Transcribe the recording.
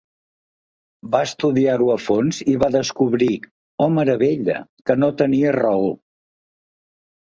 Va estudiar-ho a fons i va descobrir –oh, meravella– que no tenia raó.